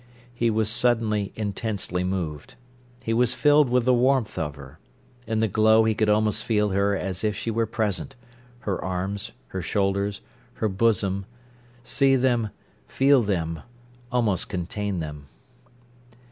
He was suddenly intensely moved. He was filled with the warmth of her. In the glow he could almost feel her as if she were present—her arms, her shoulders, her bosom, see them, feel them, almost contain them.